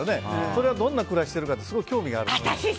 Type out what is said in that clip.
それはどんな暮らししてるかって興味がある。